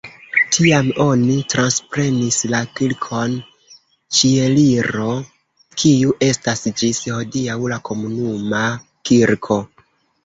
Tiam oni transprenis la Kirkon Ĉieliro kiu estas ĝis hodiaŭ la komunuma kirko.